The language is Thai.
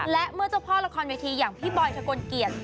และเมื่อเจ้าพ่อละครเวทีอย่างพี่บอยทะกลเกียจ